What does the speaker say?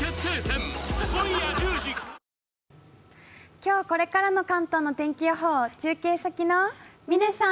今日これからの関東の天気予報を中継先の嶺さん。